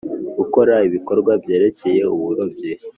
gukora ibikorwa byerekeye uburobyi